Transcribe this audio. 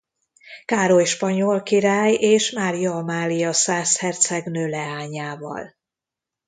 Károly spanyol király és Mária Amália szász hercegnő leányával.